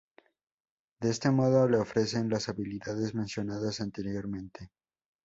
De este modo, le ofrecen las habilidades mencionadas anteriormente.